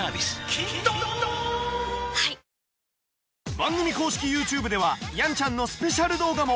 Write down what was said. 番組公式ＹｏｕＴｕｂｅではやんちゃんのスペシャル動画も！